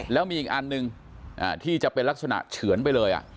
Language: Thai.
แล้วมีอีกอันหนึ่งที่จะเป็นลักษณะเฉือนไปเลย